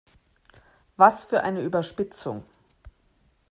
Was für eine Überspitzung!